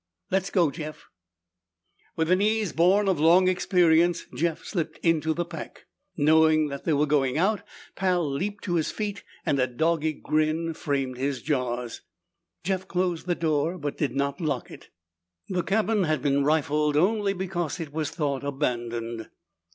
"Let's go, Jeff." With an ease born of long experience, Jeff slipped into the pack. Knowing that they were going out, Pal leaped to his feet and a doggy grin framed his jaws. Jeff closed the door but did not lock it. The cabin had been rifled only because it was thought abandoned.